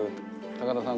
高田さん